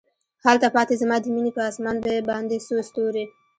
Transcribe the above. هلته پاته زما د میینې په اسمان باندې څو ستوري